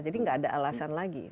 jadi gak ada alasan lagi